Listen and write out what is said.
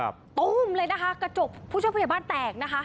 ปุ่มะเลยนะคะกระจกผู้ช่วยผู้เหยียบบ้านแตกนะคะ